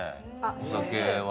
お酒は。